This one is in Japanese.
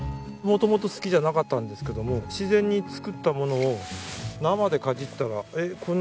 元々好きじゃなかったんですけども自然に作ったものを生でかじったらえっ！